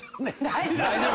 大丈夫